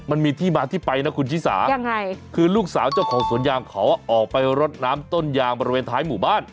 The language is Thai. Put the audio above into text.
มันมีที่มาที่ไปนะคุณชิสายังไงคือลูกสาวเจ้าของสวนยางเขาออกไปรดน้ำต้นยางบริเวณท้ายหมู่บ้าน